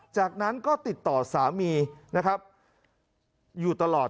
จากนั้นก็ติดต่อสามีนะครับอยู่ตลอด